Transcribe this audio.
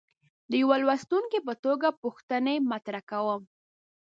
د یوه لوستونکي په توګه پوښتنې مطرح کوم.